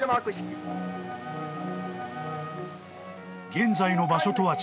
［現在の場所とは違い